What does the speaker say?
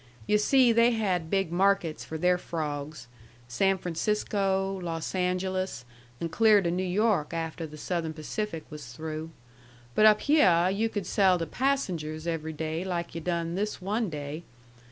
Yu' see, they had big markets for their frawgs, San Francisco, Los Angeles, and clear to New York afteh the Southern Pacific was through. But up hyeh yu' could sell to passengers every day like yu' done this one day.